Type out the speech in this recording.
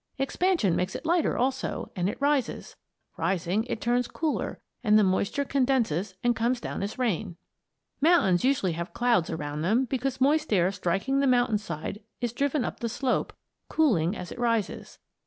Expansion makes it lighter also, and it rises. Rising, it turns cooler, and the moisture condenses and comes down as rain. Mountains usually have clouds around them because moist air striking the mountainside is driven up the slope, cooling as it rises.